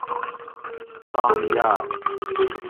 تام یاۤئے